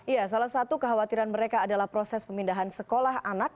ya salah satu kekhawatiran mereka adalah proses pemindahan sekolah anak